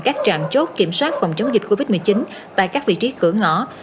các trạm chốt kiểm soát phòng chống dịch covid một mươi chín tại các vị trí cửa ngõ